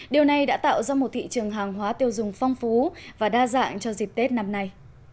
điều này đã tạo ra một thị trường hàng hóa tiêu dùng phong phú và đa dạng cho dịp tết năm nay